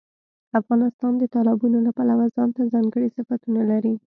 افغانستان د تالابونو له پلوه ځانته ځانګړي صفتونه لري.